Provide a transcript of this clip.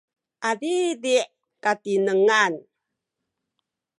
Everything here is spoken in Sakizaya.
adidi’ katinengan